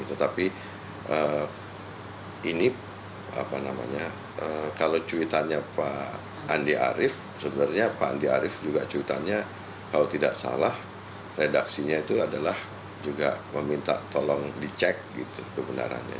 tetapi ini apa namanya kalau cuitannya pak andi arief sebenarnya pak andi arief juga cuitannya kalau tidak salah redaksinya itu adalah juga meminta tolong dicek gitu kebenarannya